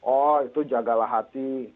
oh itu jagalah hati